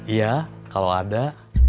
iya kalau ada